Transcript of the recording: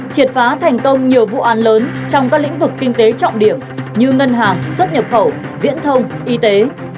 triệt phá thành công nhiều vụ an lớn trong các lĩnh vực kinh tế trọng điểm như ngân hàng xuất nhập khẩu viễn thông y tế